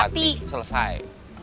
banas pati selesai